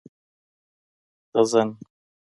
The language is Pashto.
غزن